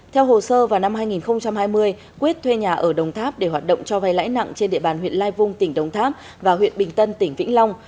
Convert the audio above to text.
theo hồ sơ vào năm hai nghìn hai mươi quyết thuê nhà ở đồng tháp để hoạt động cho vay lãi nặng trên địa bàn huyện lai vung tỉnh đồng tháp và huyện bình tân tỉnh vĩnh long